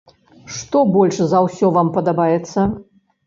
Што больш за ўсё вам падабаецца?